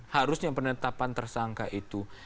harusnya penetapan tersangka itu